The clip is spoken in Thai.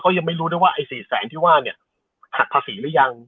ก็ไม่รู้ได้ว่าไอร์๔๐๐ที่ว่าหักภาษีรึยัง